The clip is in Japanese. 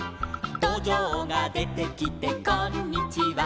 「どじょうが出て来てこんにちは」